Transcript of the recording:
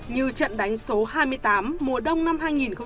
như trận đánh số hai mươi tám mùa đông năm hai nghìn một mươi chín